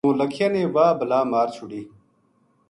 نو لکھیا نے واہ بلا مار چھوڈی